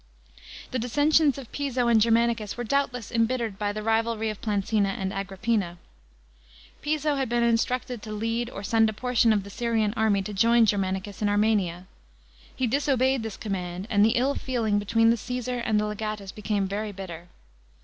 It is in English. The dis ensions of Piso and Germanicus were doubtless embittered by the rivalry of Plancina and Agrippina. Piso had been ins ructed to lead or send a portion of the Syrian army to join Germanicns in Armenia. He disobe>ed this command, and the ill feeling between the Caspar and the le^atus became very bitter.